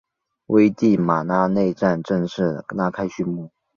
危地马拉内战正式拉开序幕。